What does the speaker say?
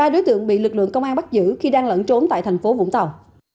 ba đối tượng bị lực lượng công an bắt giữ khi đang lẫn trốn tại thành phố vũng tàu